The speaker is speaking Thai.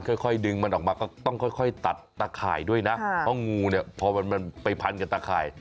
ค่อยดึงมันออกมาก็ต้องค่อยตัดตะข่ายด้วยนะเพราะงูเนี่ยพอมันไปพันกับตะข่าย